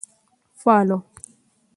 Follow